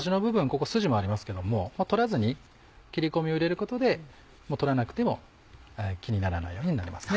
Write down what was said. ここスジもありますけども取らずに切り込みを入れることで取らなくても気にならないようになりますね。